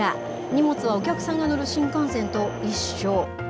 荷物はお客さんが乗る新幹線と一緒。